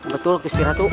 betul busti ratu